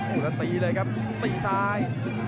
โอ้โหแล้วตีเลยครับตีซ้าย